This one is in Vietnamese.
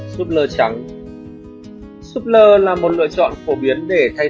bảy súp lơ trắng súp lơ là một lựa chọn phổ biến để thay